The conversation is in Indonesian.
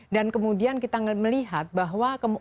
dan kemudian kita melihat bahwa